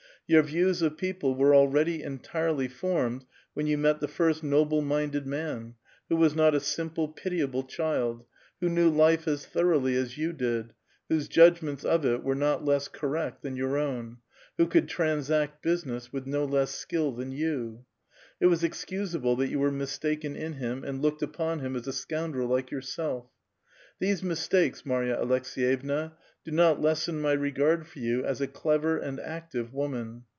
Your views of people were already entirely formed when you met the first noble minded man, who was not a simple, pitia ble ciiild, who knew life as thoroughly as you did, whose judgments of it were not less correct than your own, who could transact business with no less skill than vou ; it was excusable that you were mistaken in him and looked upon bim as a scoundrel like yourself. These mistakes, Marya Aleks^»vevna, do not lessen mv regard for vou as a clever and active woman.